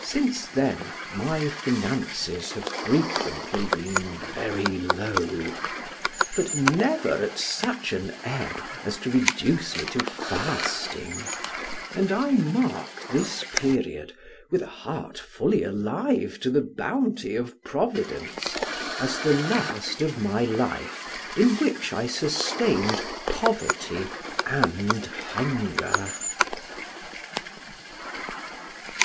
Since then my finances have frequently been very low, but never at such an ebb as to reduce me to fasting, and I mark this period with a heart fully alive to the bounty of Providence, as the last of my life in which I sustained poverty and hunger.